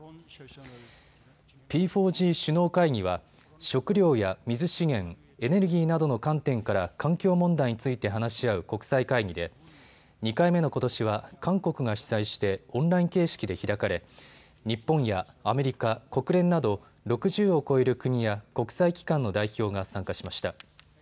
Ｐ４Ｇ首脳会議は食糧や水資源、エネルギーなどの観点から環境問題について話し合う国際会議で２回目のことしは韓国が主催してオンライン形式で開かれ日本やアメリカ、国連など６０を超える国や国際機関の代表が参加しました。